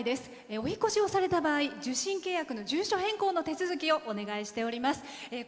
お引っ越しをされた場合受信契約の住所変更の手続きをお願いしております。